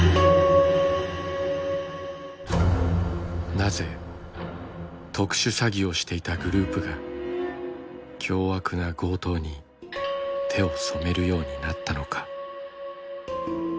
なぜ特殊詐欺をしていたグループが凶悪な強盗に手を染めるようになったのか。